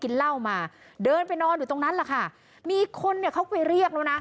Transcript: เหล้ามาเดินไปนอนอยู่ตรงนั้นแหละค่ะมีคนเนี่ยเขาไปเรียกแล้วนะ